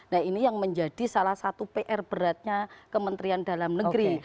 nah ini yang menjadi salah satu pr beratnya kementerian dalam negeri